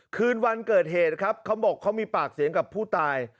คืนวันเกิดเหตุครับเขาบอกเขามีปากเสียงกับผู้ตาย